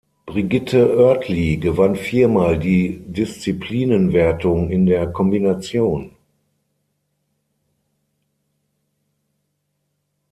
Brigitte Oertli gewann viermal die Disziplinenwertung in der Kombination.